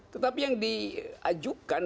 tetapi yang diajukan